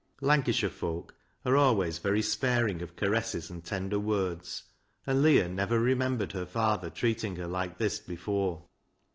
Lancashire folk are always very sparing of caresses and tender words, and Leah never remembered her father treating her like this before.